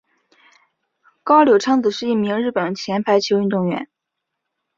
高柳昌子是一名日本前排球运动员。